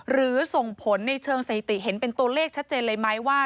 หรือส่งผลในเชิงสถิติเห็นเป็นตัวเลขชัดเจนเลยไหมว่า